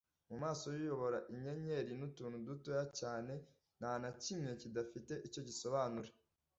Mu maso y'uyobora inyenyeri n'utuntu dutoya cyane nta na kimwe kidafite icyo gisobanura.